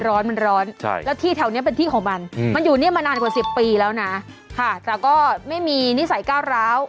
ร้อนมันร้อนแล้วที่แถวนี้เป็นที่ของมันมันอยู่เนี่ยมานานกว่า๑๐ปีแล้วนะค่ะแต่ก็ไม่มีนิสัยก้าวร้าว